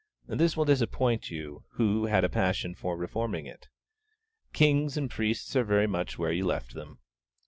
This will disappoint you, who had 'a passion for reforming it.' Kings and priests are very much where you left them.